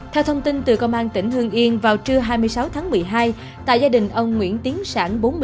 theo thông tin từ công an tỉnh hưng yên vào trưa hai mươi sáu tháng một mươi hai tại gia đình ông nguyễn tiến sản